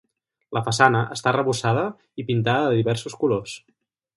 La façana està arrebossada i pintada de diversos colors.